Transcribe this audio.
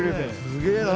すげえな。